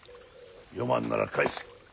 読まぬなら返せ。